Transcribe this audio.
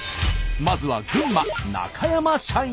まずは群馬中山社員。